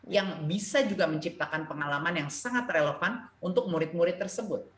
yang bisa juga menciptakan pengalaman yang sangat relevan untuk murid murid tersebut